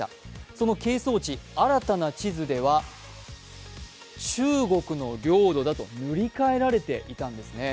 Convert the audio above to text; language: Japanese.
その係争地、新たな地図では、中国の領土だと塗り替えられていたんですね。